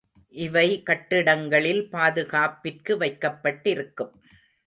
இவை கட்டிடங்களில் பாதுகாப்பிற்கு வைக்கப்பட்டிருக்கும்.